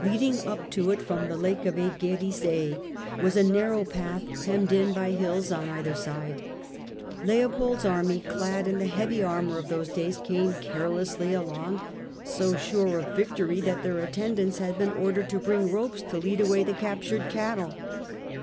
Leading up to it from the Lake of Aegeri was a narrow path, hemmed in by hills on either side. Leopold's army, clad in the heavy armour of those days, came carelessly along, so sure of victory that their attendants had been ordered to bring ropes to lead away the captured cattle.